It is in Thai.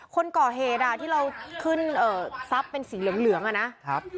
คนก่อเหตุที่เราขึ้นซับเป็นสีเหลืองอะนะ